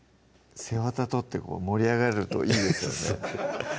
背わた取って盛り上がるといいですよね